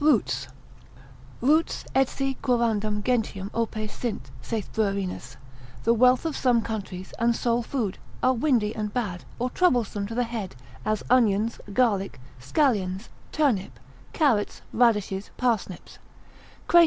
Roots.] Roots, Etsi quorundam gentium opes sint, saith Bruerinus, the wealth of some countries, and sole food, are windy and bad, or troublesome to the head: as onions, garlic, scallions, turnips, carrots, radishes, parsnips: Crato, lib.